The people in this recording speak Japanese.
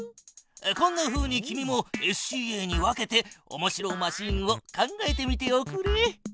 こんなふうに君もＳＣＡに分けておもしろマシーンを考えてみておくれ。